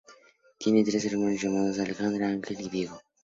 Tiene tres hermanos llamados: Alejandra, Ángel y Diego.